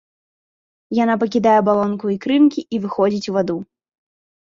Яна пакідае абалонку ікрынкі і выходзіць у ваду.